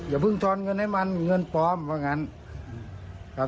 อย่าเพิ่งทอนเงินให้มันเงินปลอมว่างั้นครับ